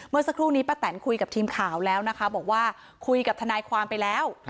เมื่อสักครู่นี้ป้าแตนคุยกับทีมข่าวแล้วนะคะบอกว่าคุยกับทนายความไปแล้ว